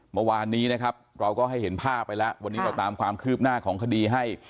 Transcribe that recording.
เมื่อวานนี้นะครับเราก็ให้เห็นภาพไปแล้ววันนี้เราตามความคืบหน้าของคดีให้